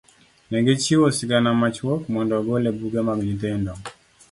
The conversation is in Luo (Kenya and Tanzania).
Ne gichiwo sigana machuok mondo ogol e buge mag nyithindo.